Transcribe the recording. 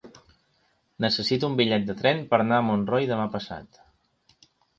Necessito un bitllet de tren per anar a Montroi demà passat.